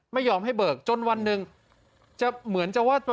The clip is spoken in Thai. ไม่ยอมให้เบิกจนวันหนึ่งจะเหมือนจะว่า